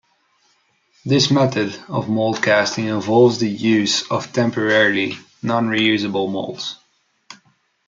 This method of mold casting involves the use of temporary, non-reusable molds.